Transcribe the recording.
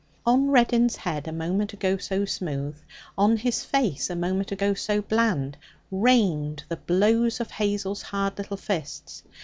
On Reddin's head, a moment ago so smooth, on his face, a moment ago so bland, rained the blows of Hazel's hard little fists.